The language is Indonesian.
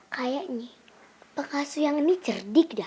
kayaknya pengasuh yang ini cerdik dah